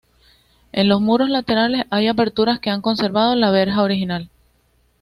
En los muros laterales hay aperturas que han conservado la verja original.